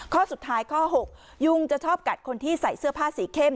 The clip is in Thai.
ข้อสุดท้ายข้อ๖ยุงจะชอบกัดคนที่ใส่เสื้อผ้าสีเข้ม